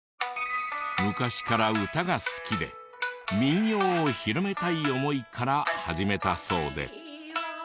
昔から歌が好きで民謡を広めたい思いから始めたそうで。